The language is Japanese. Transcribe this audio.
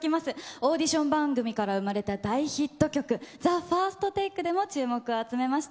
オーディション番組から生まれた大ヒット曲、ＴＨＥＦＩＲＳＴＴＡＫＥでも注目を集めました。